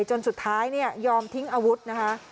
จนสุดท้ายเนี่ยยอมทิ้งอาวุธนะคะ